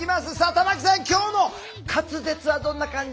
玉木さん、今日の滑舌はどんな感じ？